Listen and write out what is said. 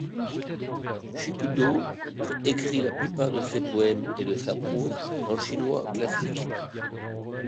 Chikudō écrit la plupart de ses poèmes et de sa prose en chinois classique.